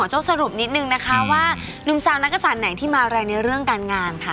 เจ้าสรุปนิดนึงนะคะว่านุ่มสาวนักศัตริย์ไหนที่มาแรงในเรื่องการงานค่ะ